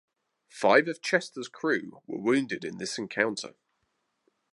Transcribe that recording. Five of "Chester"s crew were wounded in this encounter.